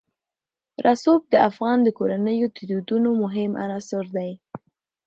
رسوب د افغان کورنیو د دودونو مهم عنصر دی.